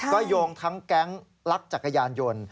ก็โยงทั้งแก๊งลักจักรยานยนต์